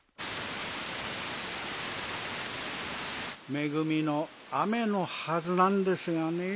めぐみの雨のはずなんですがねぇ。